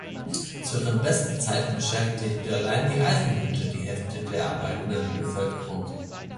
Zu ihren besten Zeiten beschäftigte allein die Eisenhütte die Hälfte der arbeitenden Bevölkerung.